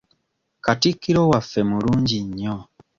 Katikkiro waffe mulungi nnyo.